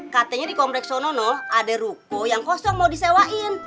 katanya di komplek sono ada ruko yang kosong mau disewain